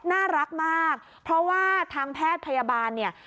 น่ารักมากเพราะว่าทางแพทย์พยาบาลเนี่ย